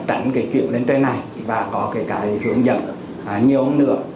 ảnh cái chuyện lên trên này và có cái cái hướng dẫn nhiều hơn nữa